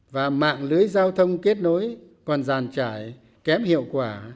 và mạng lưới giao thông kết nối còn giàn trải kém hiệu quả